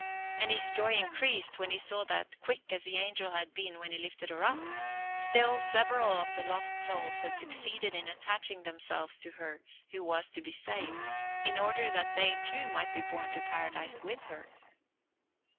And his joy increased when he saw that, quick as the angel had been when he had lifted her up, still several of the lost souls had succeeded in attaching themselves to her who was to be saved, in order that they, too, might be borne to Paradise with her.